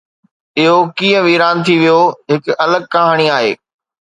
اهو ڪيئن ويران ٿي ويو، هڪ الڳ ڪهاڻي آهي.